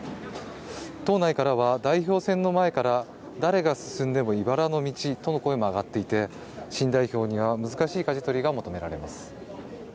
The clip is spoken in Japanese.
党内からは代表選の前から誰が進んでもいばらの道との声も上がっていて、新代表には難しいかじ取りが求められます。